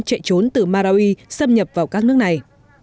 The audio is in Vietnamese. chạy trốn từ marawi xâm nhập vào các nước này